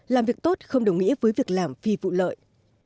làm việc tốt không đồng nghĩa với việc làm phi vụ lợi